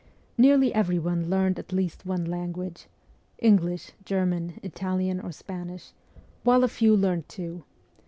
Nearly every one learned at least one language English, German, Italian, or Spanish while a few learned two.